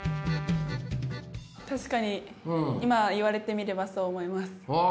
確かに今言われてみればそう思います。